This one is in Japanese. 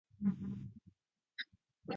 同盟敬遠主義の的になっている奴だ